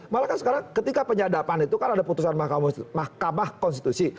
malah kan sekarang ketika penyadapan itu kan ada putusan mahkamah konstitusi